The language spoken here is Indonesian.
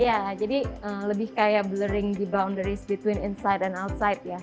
iya jadi lebih kayak blurring the boundaries between inside and outside ya